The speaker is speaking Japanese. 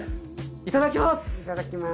いただきます！